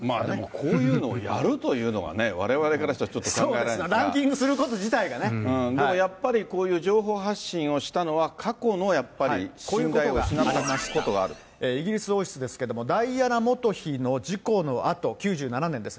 こういうのをやるというのはね、われわれからしたらちょっとそうですね、ランキングするでもやっぱりこういう情報発信をしたのは、過去のやっぱり、信頼を失った、イギリス王室ですけれども、ダイアナ元妃の事故のあと、９７年です。